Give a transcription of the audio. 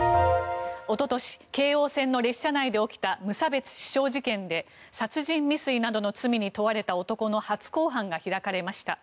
おととし、京王線の列車内で起きた無差別刺傷事件で殺人未遂などの罪に問われた男の初公判が開かれました。